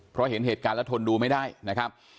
เพราะเห็นเหตุการณ์แล้วทนดูไม่ได้นะครับ